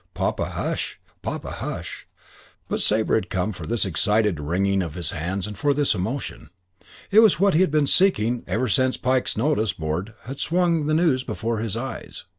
Papa, hush. Papa, hush"; but Sabre had come for this excited wringing of his hands and for this emotion. It was what he had been seeking ever since Pike's notice board had swung the news before his eyes.